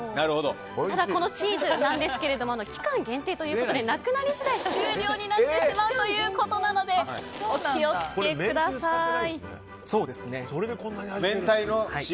ただこのチーズですが期間限定ということでなくなり次第終了になってしまうということなのでお気を付けください。